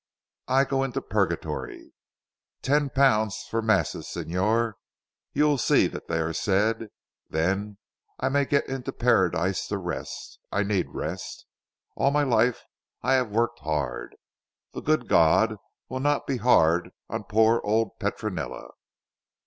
I go into Purgatory. Ten pounds for masses Signor. You will see that they are said. Then I may get into Paradise to rest. I need rest. All my life I have worked hard. The Good God will not be hard on poor old Petronella."